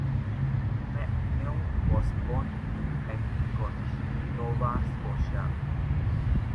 MacNeil was born in Antigonish, Nova Scotia.